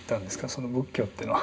その仏教っていうのは。